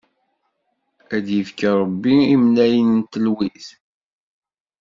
Ad d-ifk Ṛebbi imnayen n telwit!